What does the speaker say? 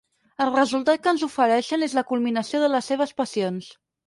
El resultat que ens ofereixen és la culminació de les seves passions.